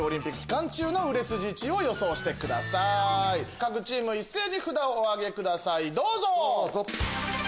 各チーム一斉に札をお挙げくださいどうぞ！